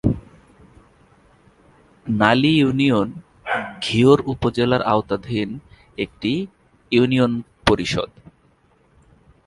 নালী union Ghior উপজেলার আওতাধীন একটি ইউনিয়ন পরিষদ।